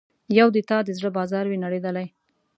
یو د تا د زړه بازار وي نړیدلی